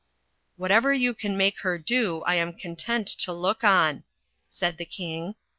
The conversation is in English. "Whatever you can make her do, I am content to look on," said the King.